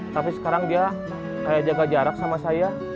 tapi sekarang dia kayak jaga jarak sama saya